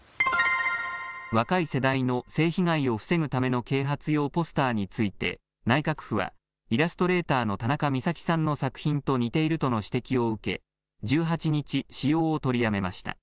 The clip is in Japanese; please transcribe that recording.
若い世代の性被害を防ぐための啓発用ポスターについて内閣府はイラストレーターのたなかみさきさんの作品と似ているとの指摘を受け、１８日、使用を取りやめました。